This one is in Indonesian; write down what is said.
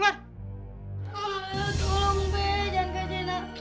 tolong b jangan kejena